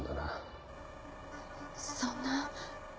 そんな。